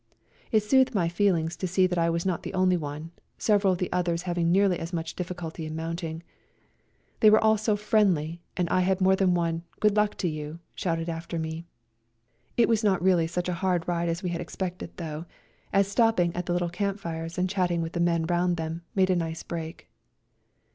It soothed my feelings to see that I was not the only one, several of the others having nearly as much difficulty in mounting. They were all so friendly, and I had more than one " Good luck to you " shouted after me. It was not really such a hard ride as we had expected, though, as stopping at the little camp fires and chatting with the men round them made a nice break.